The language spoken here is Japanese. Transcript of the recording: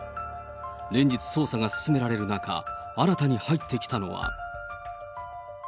連日捜査が進められる中、新たに入ってきたのは。